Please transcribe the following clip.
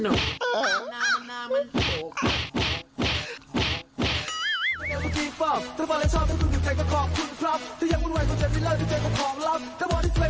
วันนี้เกี่ยวกับกองถ่ายเราจะมาอยู่กับว่าเขาเรียกว่าอะไรอ่ะนางแบบเหรอ